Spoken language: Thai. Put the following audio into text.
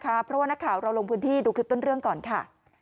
เพราะว่านักข่าวเราลงพื้นที่ดูคลิปต้นเรื่องก่อนค่ะ